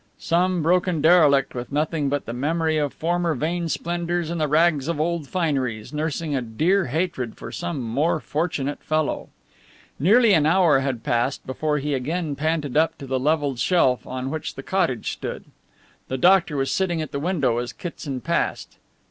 Some broken derelict with nothing but the memory of former vain splendours and the rags of old fineries, nursing a dear hatred for some more fortunate fellow. Nearly an hour had passed before he again panted up to the levelled shelf on which the cottage stood. The doctor was sitting at the window as Kitson passed.